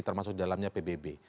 termasuk dalamnya pbb